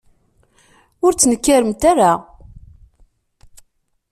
Ur ttnekkaremt ara.